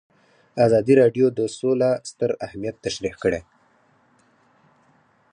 ازادي راډیو د سوله ستر اهميت تشریح کړی.